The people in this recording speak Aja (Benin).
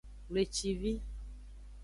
Wlecivi.